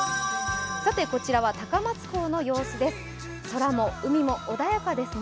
こちらは高松港の様子です。